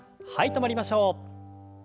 止まりましょう。